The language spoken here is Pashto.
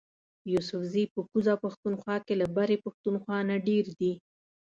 یوسفزي په کوزه پښتونخوا کی له برۍ پښتونخوا نه ډیر دي